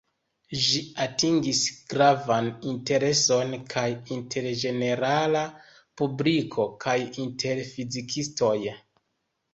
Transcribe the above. Ĝi atingis gravan intereson kaj inter ĝenerala publiko, kaj inter fizikistoj.